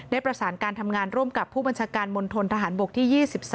ได้ประสานการทำงานร่วมกับผู้บัญชาการมณฑนทหารบกที่๒๓